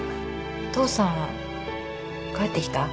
父さん帰ってきた？